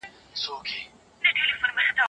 تعبیر دي راته شیخه د ژوند سم ښوولی نه دی